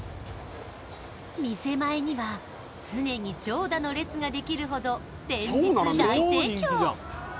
店前には常に長蛇の列ができるほど連日大盛況